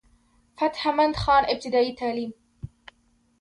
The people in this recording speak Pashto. فتح مند خان ابتدائي تعليم